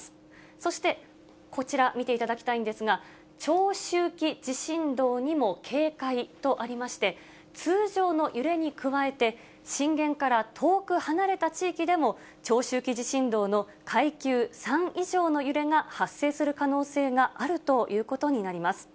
そして、こちら見ていただきたいんですが、長周期地震動にも警戒とありまして、通常の揺れに加えて、震源から遠く離れた地域でも、長周期地震動の階級３以上の揺れが発生する可能性があるということになります。